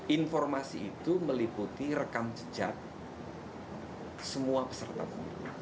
informasi itu meliputi rekam jejak semua peserta pemilu